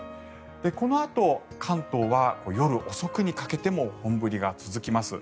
このあと関東は夜遅くにかけても本降りが続きます。